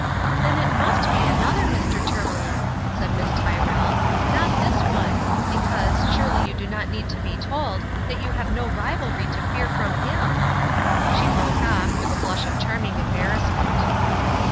" Then it must be another Mr. Tourmalin," said Miss Tyrrell, " not this one ; because surely you do not need to be told that you have no rivalry to fear from him ?" she broke off, with a blush of charming embarrassment.